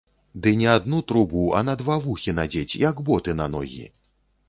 Ды не адну трубу, а на два вухі надзець, як боты на ногі!